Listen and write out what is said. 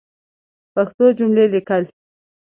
پښتو جملی لیکل